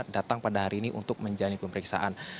datang pada hari ini untuk menjalani pemeriksaan